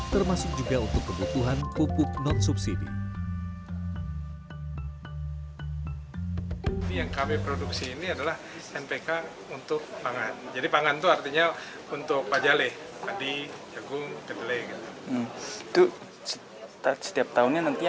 termasuk juga untuk kebutuhan pupuk non subsidi